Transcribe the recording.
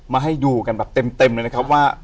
ให้ดูกันแบบเต็มเลยนะครับว่า